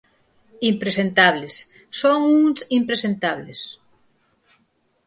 Impresentables, son uns impresentables.